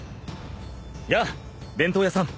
やあ弁当屋さん。